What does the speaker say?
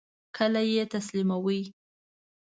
کله یی تسلیموئ؟